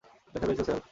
ব্যথা পেয়েছো, স্যাল?